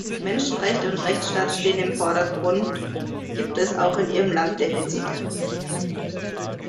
Menschenrechte und Rechtsstaat stehen im Vordergrundgibt es auch in Ihrem Land Defizite.